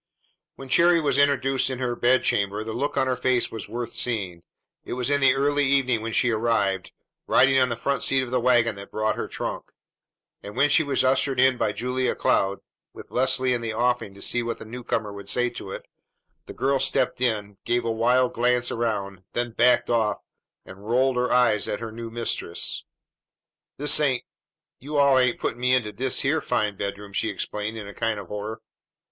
When Cherry was introduced into her bedchamber the look on her face was worth seeing. It was in the early evening when she arrived, riding on the front seat of the wagon that brought her trunk; and, when she was ushered in by Julia Cloud, with Leslie in the offing to see what the newcomer would say to it, the girl stepped in, gave a wild glance around, then backed off, and rolled her eyes at her new mistress. "This ain't you all ain't puttin' me inta dis year fine bedroom!" she exclaimed in a kind of horror.